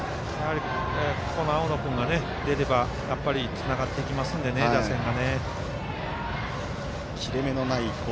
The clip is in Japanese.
この青野君が出ればつながっていくので、打線が。